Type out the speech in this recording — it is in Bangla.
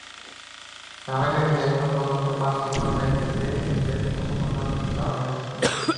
জানা গেছে, এখন পর্যন্ত পাঁচটি পণ্যের ক্ষেত্রে হেজের অনুমোদন চাওয়া হয়েছিল।